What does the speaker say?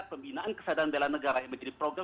pembinaan kesadaran bela negara yang menjadi program